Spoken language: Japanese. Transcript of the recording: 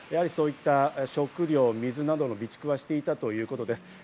そういった食料や水などの備蓄はしていたということです。